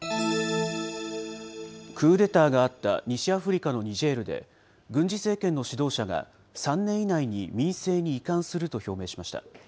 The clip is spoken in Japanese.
クーデターがあった西アフリカのニジェールで、軍事政権の指導者が、３年以内に民政に移管すると表明しました。